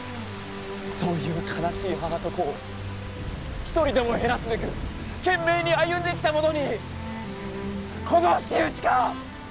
そういう悲しい母と子を一人でも減らすべく懸命に歩んできた者にこの仕打ちか！？